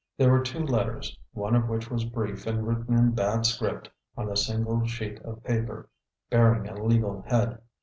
There were two letters, one of which was brief and written in bad script on a single sheet of paper bearing a legal head.